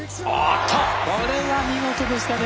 これは見事でしたね